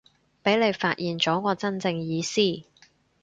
畀你發現咗我真正意思